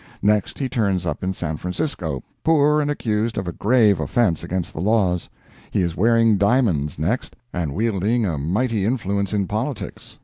Next he turns up in San Francisco, poor and accused of a grave offense against the laws; he is wearing diamonds next, and wielding a mighty influence in politics.